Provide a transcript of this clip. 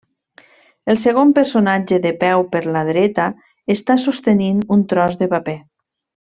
El segon personatge de peu per la dreta està sostenint un tros de paper.